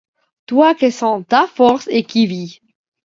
Toi qui sens ta force et qùi vis